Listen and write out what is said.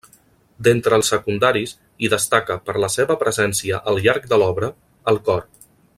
D'entre els secundaris, hi destaca, per la seva presència al llarg de l'obra, el cor.